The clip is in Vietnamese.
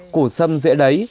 củ sâm dễ lấy